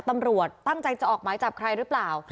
ตำรวจตั้งใจจะออกหมายจับใครหรือเปล่า